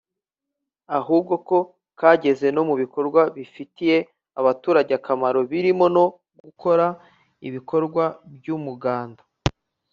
ahubwo ko kageze no mu bikorwa bifitiye abaturage akamaro birimo no gukora ibikorwa by’umuganda